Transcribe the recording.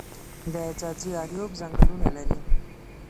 د ځاځي اریوب ځنګلونه لري